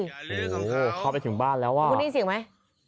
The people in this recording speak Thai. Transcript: โอ้โหเข้าไปถึงบ้านแล้วอ่ะคุณได้ยินเสียงไหม